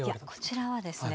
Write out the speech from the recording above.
こちらはですね